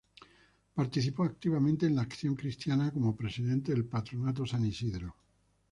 Participó activamente en la acción cristiana como presidente del Patronato San Isidro.